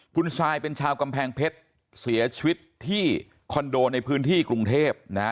คุณซายเป็นชาวกำแพงเพชรเสียชีวิตที่คอนโดในพื้นที่กรุงเทพนะฮะ